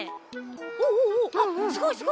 おおおすごいすごい。